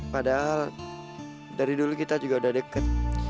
padahal dari dulu kita juga udah deket